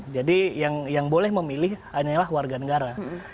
jadi yang boleh memilih hanyalah warga negara